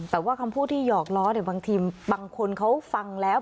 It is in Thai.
แต่ว่าคำพูดที่หยอกล้อเนี่ยบางทีบางคนเขาฟังแล้ว